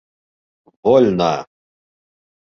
Вольно!